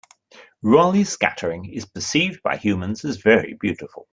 Raleigh scattering is perceived by humans as very beautiful.